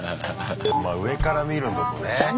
まあ上から見るのとね